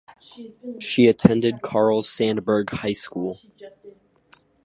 She attended Carl Sandburg High School.